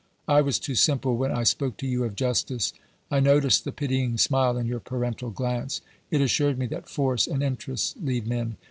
I was too simple when I spoke to you of justice ! I noticed the pitying smile in your parental glance. It assured me that force and interests lead men.